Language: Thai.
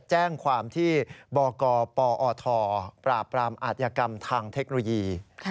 แจ้งความที่บกปอทปราบปรามอาธิกรรมทางเทคโนโลยี